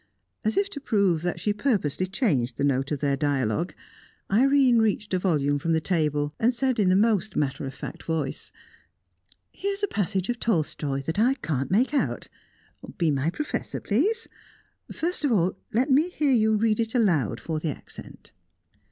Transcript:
As if to prove that she purposely changed the note of their dialogue, Irene reached a volume from the table, and said in the most matter of fact voice: "Here's a passage of Tolstoi that I can't make out. Be my professor, please. First of all, let me hear you read it aloud for the accent."